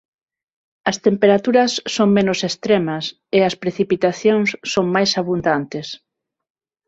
As temperaturas son menos extremas e as precipitacións son máis abundantes.